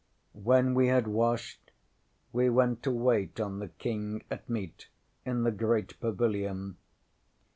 When we had washed, we went to wait on the King at meat in the great pavilion.